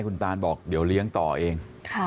คุณตานบอกเดี๋ยวเลี้ยงต่อเอง